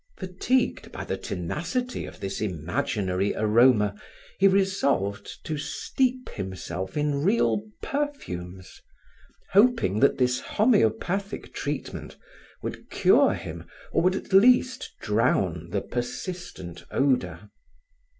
Fatigued by the tenacity of this imaginary aroma, he resolved to steep himself in real perfumes, hoping that this homeopathic treatment would cure him or would at least drown the persistent odor.